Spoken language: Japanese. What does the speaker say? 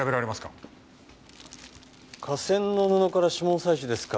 化繊の布から指紋採取ですか？